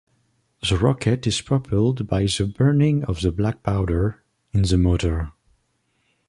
The rocket is propelled by the burning of the black powder in the motor.